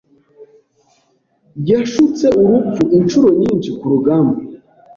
Yashutse urupfu inshuro nyinshi kurugamba.